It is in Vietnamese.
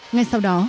ngay sau đó